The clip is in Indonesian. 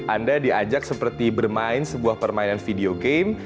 anda diajak seperti bermain sebuah permainan video game